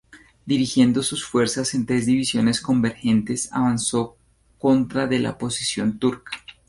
Dirigiendo sus fuerzas en tres divisiones convergentes, avanzó contra de la posición turca.